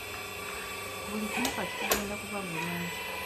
Buli kimu kati kigenda kuba bulungi